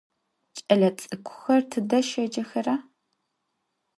Ç'elets'ık'uxer tıde şêcexera?